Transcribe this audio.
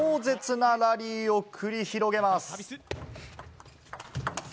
壮絶なラリーを繰り広げます。